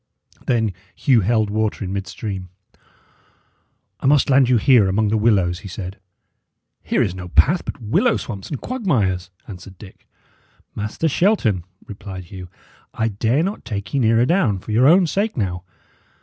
Then Hugh held water in midstream. "I must land you here among the willows," he said. "Here is no path but willow swamps and quagmires," answered Dick. "Master Shelton," replied Hugh, "I dare not take ye nearer down, for your own sake now.